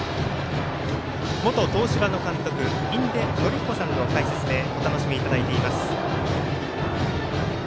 元東芝の監督、印出順彦さんの解説でお楽しみいただいています。